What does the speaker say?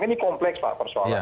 ini kompleks pak persoalannya